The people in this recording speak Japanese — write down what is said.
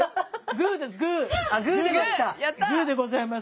グーでございます。